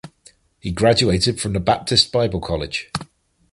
He graduated from the Baptist Bible College.